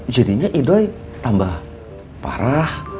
jadinya idoi tambah parah